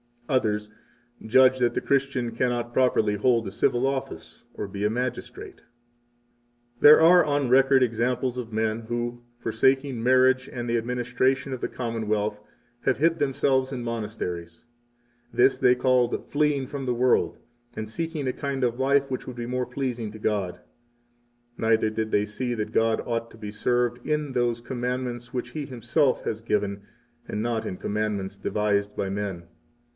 Others judge that the Christian cannot properly hold a civil office or be a magistrate. 56 There are on record examples of men who, forsaking marriage and the administration of the Commonwealth, have hid themselves in monasteries. This 57 they called fleeing from the world, and seeking a kind of life which would be more pleasing to God. Neither did they see that God ought to be served in those commandments which He Himself has given and not in commandments 58 devised by men.